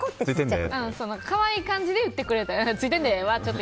可愛い感じで言ってくれたら。